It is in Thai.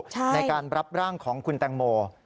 ในการรับร่างของคุณแตงโม